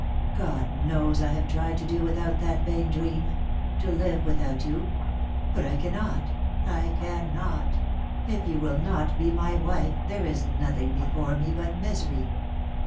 God knows I have tried to do without that vain dream — to live without you ; but I cannot — I cannot. If you will not be my wife, there is nothing before me but misery."